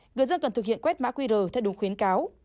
người dân cần thực hiện quét mã qr theo đúng khuyến cáo